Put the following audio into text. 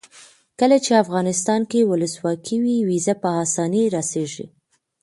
کله چې افغانستان کې ولسواکي وي ویزه په اسانۍ راسیږي.